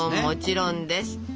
もちろんです！